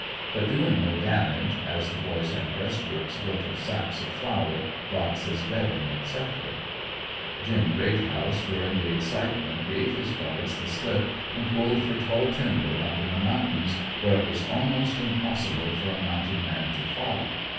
But doing no damage, as the boys had breast works built of sacks of flour, boxes, bedding, etc. Jim Greathouse during the excitement gave his guards the slip and pulled for "tall timber" up in the mountains where it was almost impossible for a mounted man to follow.